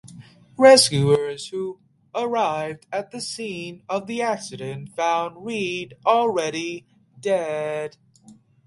Rescuers who arrived at the scene of the accident found Reed already dead.